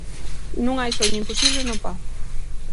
Non hai soño imposible no Pazo.